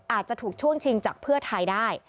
อาจจะถูกช่วงชิงจากเพื่อไทยได้